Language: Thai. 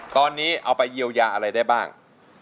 ตอนนี้เอาไปเยียวยาอะไรได้บ้าง